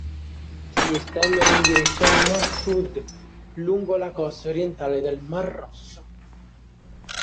Si estendono in direzione nord-sud lungo la costa orientale del mar Rosso.